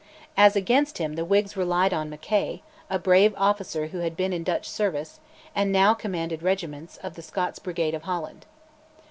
As against him the Whigs relied on Mackay, a brave officer who had been in Dutch service, and now commanded regiments of the Scots Brigade of Holland.